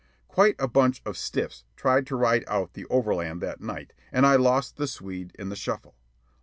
Quite a bunch of "stiffs" tried to ride out the overland that night, and I lost the Swede in the shuffle.